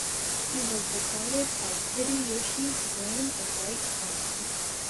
He was regarded as Hideyoshi's brain and right-arm.